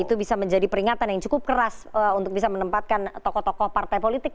itu bisa menjadi peringatan yang cukup keras untuk bisa menempatkan tokoh tokoh partai politik